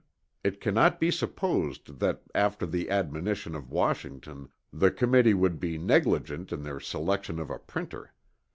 It cannot be supposed that after the admonition of Washington, the Committee could be negligent in their selection of a printer.